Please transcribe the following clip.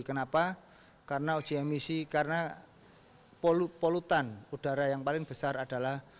kenapa karena uji emisi karena polutan udara yang paling besar adalah